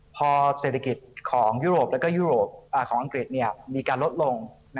พอเศรษฐกิจของยุโรปและยุโรปของอังกฤษมีการลดลง